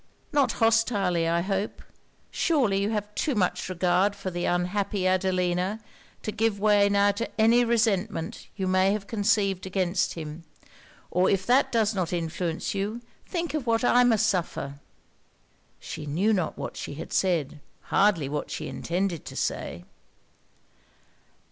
'Not hostilely, I hope. Surely you have too much regard for the unhappy Adelina, to give way now to any resentment you may have conceived against him; or if that does not influence you, think of what I must suffer.' She knew not what she had said; hardly what she intended to say.